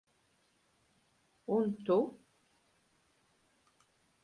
Un tu?